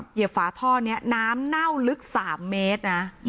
เหยียบฝาท่อนี้น้ำเน่าลึก๓เมตรนะ